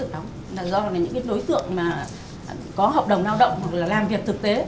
do là những đối tượng có hợp đồng lao động hoặc là làm việc thực tế